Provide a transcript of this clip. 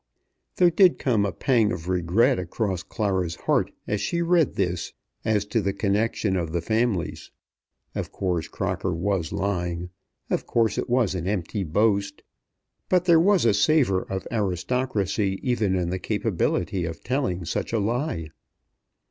There did come a pang of regret across Clara's heart, as she read this as to the connection of the families. Of course Crocker was lying. Of course it was an empty boast. But there was a savour of aristocracy even in the capability of telling such a lie.